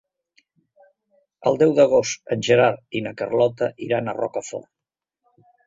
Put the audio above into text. El deu d'agost en Gerard i na Carlota iran a Rocafort.